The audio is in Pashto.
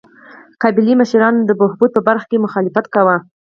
قبایلي مشرانو د بهبود په برخه کې مخالفت کاوه.